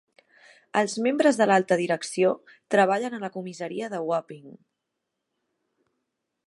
Els membres de l'alta direcció treballen a la comissaria de Wapping.